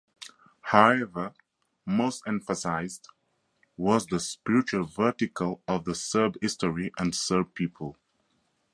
However most emphasised was the "Spiritual vertical of the Serb history and Serb people".